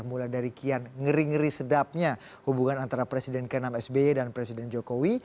mulai dari kian ngeri ngeri sedapnya hubungan antara presiden ke enam sby dan presiden jokowi